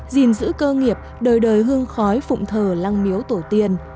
gìn giữ cơ nghiệp đời đời hương khói phụng thờ lăng miếu tổ tiên